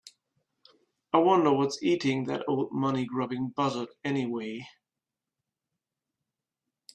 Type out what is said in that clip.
I wonder what's eating that old money grubbing buzzard anyway?